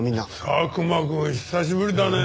佐久間くん久しぶりだねえ。